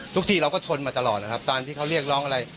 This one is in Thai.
ที่เราก็ทนมาตลอดนะครับตอนที่เขาเรียกร้องอะไร